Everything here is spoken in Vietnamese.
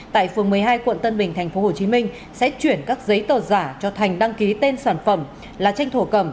tại phường một mươi hai quận tân bình tp hcm sẽ chuyển các giấy tờ giả cho thành đăng ký tên sản phẩm là tranh thổ cầm